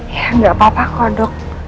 ya nggak apa apa kodok